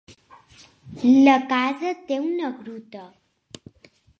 La casa té una gruta.